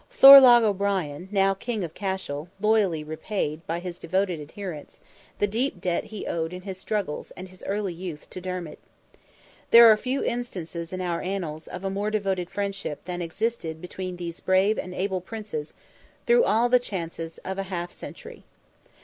Thorlogh O'Brien, now King of Cashel, loyally repaid, by his devoted adherence, the deep debt he owed in his struggles and his early youth to Dermid. There are few instances in our Annals of a more devoted friendship than existed between these brave and able Princes through all the changes of half a century.